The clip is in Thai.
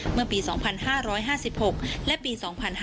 เมื่อปี๒๕๕๖และปี๒๕๕๙